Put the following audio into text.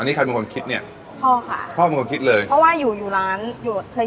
นี่ใครเป็นคนคิดเนี่ยพ่อค่ะชอบเป็นคนคิดเลยเพราะว่าอยู่อยู่ร้านอยู่เคย